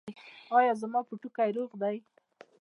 ایا زما پوټکی روغ دی؟